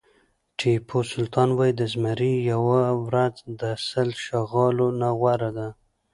ټيپو سلطان وایي د زمري یوه ورځ د سل چغالو نه غوره ده.